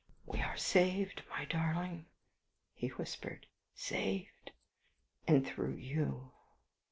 "We are saved, my darling," he whispered; "saved, and through you."